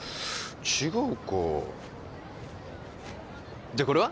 違うかじゃあこれは？